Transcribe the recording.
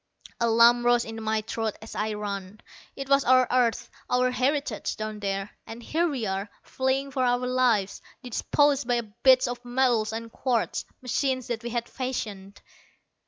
A lump rose in my throat as I ran. It was our earth, our heritage down there and here we were, fleeing for our lives, dispossessed by bits of metal and quartz, machines that we had fashioned.